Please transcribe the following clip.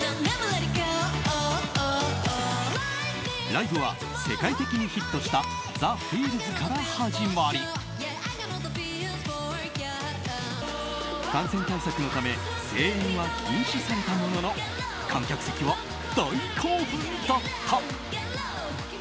ライブは世界的にヒットした「ＴｈｅＦｅｅｌｓ」から始まり感染対策のため声援は禁止されたものの観客席は大興奮だった。